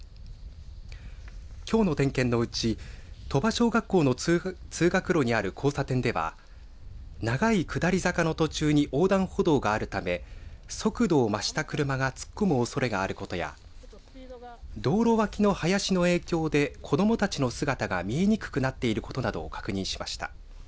きょうの点検のうち鳥羽小学校の通学路にある交差点では長い下り坂の途中に横断歩道があるため速度を増した車が突っ込むおそれがあることや道路脇の林の影響で子どもたちの姿が見えにくくなっていることなどを確認しました。